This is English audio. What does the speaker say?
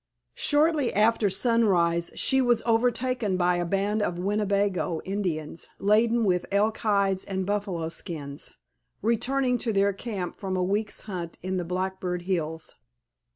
] Shortly after sunrise she was overtaken by a band of Winnebago Indians laden with elk hides and buffalo skins, returning to their camp from a week's hunt in the Blackbird Hills.